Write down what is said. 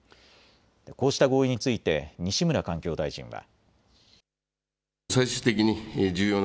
こうした合意について西村環境大臣は。